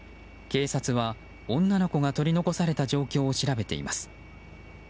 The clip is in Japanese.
警察は女の子が取り残された状況を調べています。